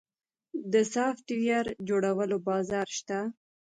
د سافټویر جوړولو بازار شته؟